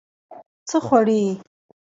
څه خوړې؟